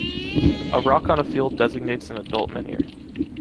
A rock on a field designates an adult menhir.